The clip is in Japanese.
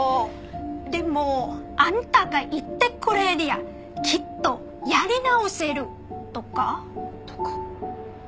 でも「あんたがいてくれりゃきっとやり直せる」とか。とか。